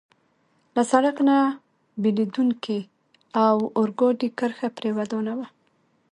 له سړک نه بېلېدونکې د اورګاډي کرښه پرې ودانوه.